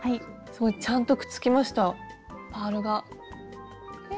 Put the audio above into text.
すごいちゃんとくっつきましたパールが。え。